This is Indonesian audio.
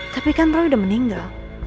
tapi kan roy udah meninggal